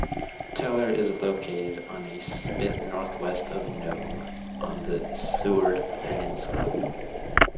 Teller is located on a spit northwest of Nome on the Seward Peninsula.